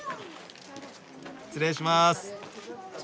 失礼します。